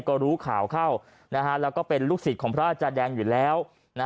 ก็รู้ข่าวเข้าแล้วก็เป็นลูกศิษย์ของพระอาจารย์แดงอยู่แล้ว